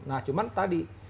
nah cuma tadi